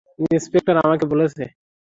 Inspector আমাকে বলেছে।